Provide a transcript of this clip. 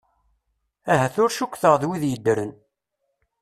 Ahat ur cukteɣ d wid yeddren?